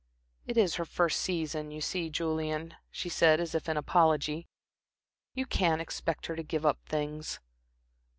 "It is her first season, you see Julian," she said, as if in apology. "You can't expect her to give up things."